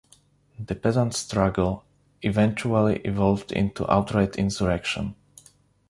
The peasant struggle eventually evolved into outright insurrection.